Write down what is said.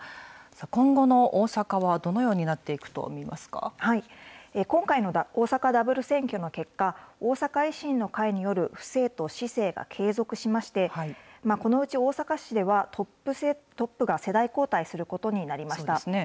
今後の大阪はどのようになってい今回の大阪ダブル選挙の結果、大阪維新の会による府政と市政が継続しまして、このうち大阪市では、トップが世代交代することになりました。